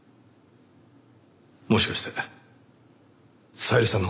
もしかして小百合さんの事も？